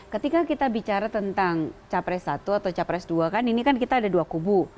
ketika kita bicara tentang capres satu atau capres dua kan ini kan kita ada dua kubu